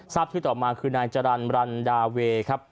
ซับที่ต่อมาคือนายจรัลรันดาเวครับ